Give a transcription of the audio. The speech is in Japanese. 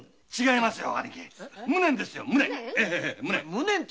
「残念」って。